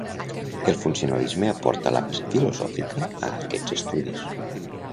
El funcionalisme aporta la base filosòfica a aquests estudis.